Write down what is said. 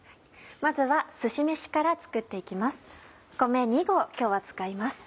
まずはすし飯から作って行きます。